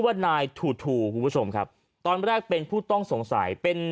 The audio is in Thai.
ว่านายถูทูคุณผู้ชมครับตอนแรกเป็นผู้ต้องสงสัยเป็น